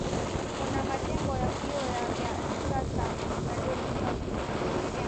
Kuna majengo ya vioo ya kisasa na yaliyobuniwa vyema